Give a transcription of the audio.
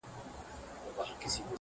اې ه سترگو کي کينه را وړم ـ